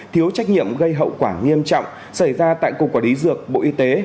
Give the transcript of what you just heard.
thiếu trách nhiệm gây hậu quả nghiêm trọng xảy ra tại cục quản lý dược bộ y tế